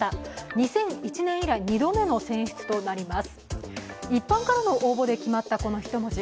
２００１年以来２度目の選出となります